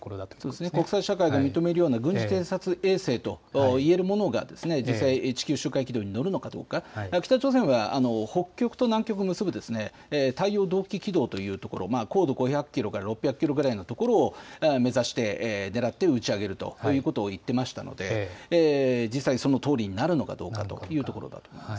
そうですね、国際社会が認めるような軍事偵察衛星といえるものが実際、地球周回軌道に乗るのかどうか、北朝鮮は北極と南極を結ぶたいようどうき軌道というところ、高度５００キロから６００キロぐらいの所を目指して、ねらって打ち上げるということをいってましたので、実際にそのとおりになるのかというところだと思い